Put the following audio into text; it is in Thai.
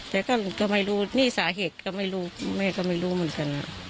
แต่ก็ไม่รู้นี่สาเหตุก็ไม่รู้แม่ก็ไม่รู้เหมือนกัน